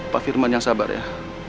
pak firman yang sabar ya